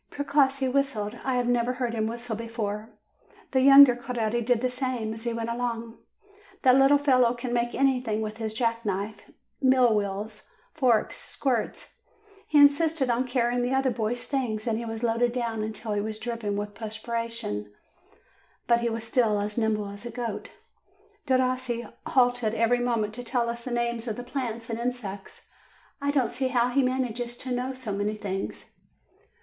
Precossi whistled; I had never heard him whistle before. The younger Coretti did the same, as he went along. That little fellow can make everything with his jack knife, mill wheels, forks, squirts. He in sisted on carrying the other boys' things, and he was loaded down until he was dripping with perspiration 1 , but he was still as nimble as a goat. Derossi halted every moment to tell us the names of the plants and insects. I don't see how he manages to know so many things.